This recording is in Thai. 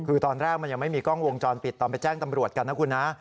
คือตอนแรกมันยังไม่มีกล้องวงจรปิดตอนไปแจ้งตำรวจกันนะคุณนะ